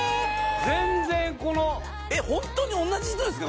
全然このえっホントに同じ人ですか？